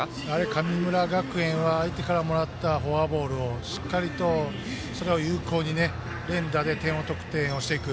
神村学園は相手からもらったフォアボールをしっかりと、それを有効に連打で得点していく。